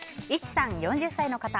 ４０歳の方。